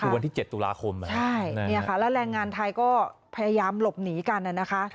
วันที่๗ตุลาคมและแรงงานไทยก็ไปยามหลบหนีกัน